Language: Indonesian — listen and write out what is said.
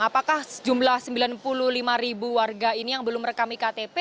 apakah jumlah sembilan puluh lima ribu warga ini yang belum merekam iktp